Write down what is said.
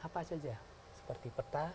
apa saja seperti peta